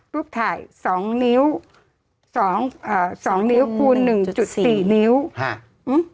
รูปถ่ายสองนิ้วสองอ่าสองนิ้วคูณหนึ่งจุดสี่นิ้วฮะอืม